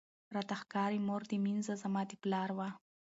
راته ښکاری مور دي مینځه زما د پلار وه